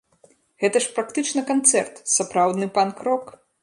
Гэта ж практычна канцэрт, сапраўдны панк-рок.